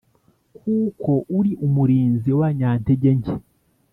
kuko uri umurinzi w’abanyantegenke,